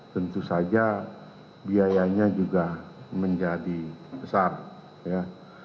tentu saja biayanya juga menjadi besar ya